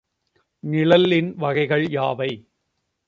நிழலின் வகைகள் யாவை?